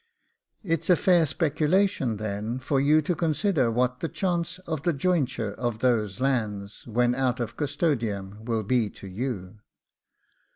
'It's a fair speculation, then, for you to consider what the chance of the jointure of those lands, when out of custodiam, will be to you.